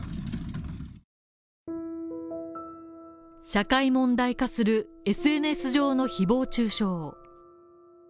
社会問題化するＳＮＳ上の誹謗中傷。